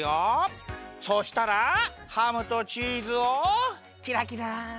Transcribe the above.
そしたらハムとチーズをキラキラ！